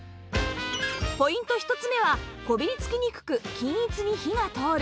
ポイント１つ目はこびりつきにくく均一に火が通る